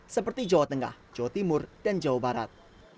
seperti jawa tengah jawa timur dan jawa barat